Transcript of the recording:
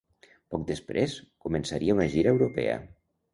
Poc després, començaria una gira europea.